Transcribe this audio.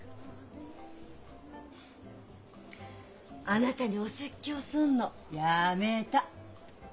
あなたにお説教すんのやめた。